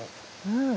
うん！